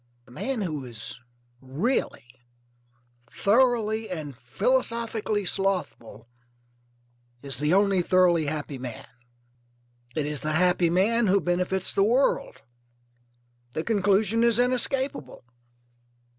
The man who is really, thoroughly, and philosophically slothful is the only thoroughly happy man. It is the happy man who benefits the world. The conclusion is inescapable.